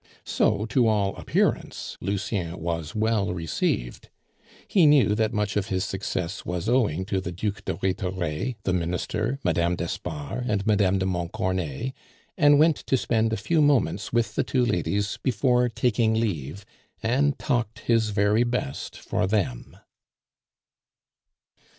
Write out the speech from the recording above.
So, to all appearance, Lucien was well received. He knew that much of his success was owing to the Duc de Rhetore, the Minister, Mme. d'Espard, and Mme. de Montcornet, and went to spend a few moments with the two ladies before taking leave, and talked his very best for them.